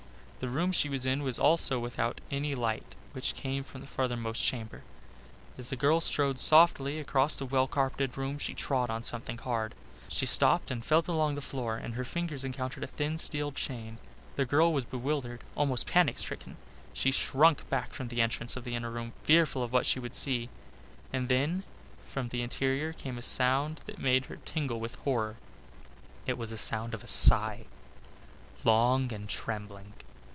The room she was in was also without any light which came from the farthermost chamber. As the girl strode softly across the well carpeted room she trod on something hard. She stooped and felt along the floor and her fingers encountered a thin steel chain. The girl was bewildered almost panic stricken. She shrunk back from the entrance of the inner room, fearful of what she would see. And then from the interior came a sound that made her tingle with horror. It was a sound of a sigh, long and trembling.